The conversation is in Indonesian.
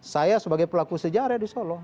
saya sebagai pelaku sejarah di solo